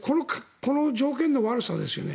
この条件の悪さですよね。